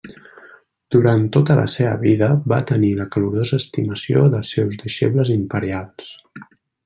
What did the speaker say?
Durant tota la seva vida va tenir la calorosa estimació dels seus deixebles imperials.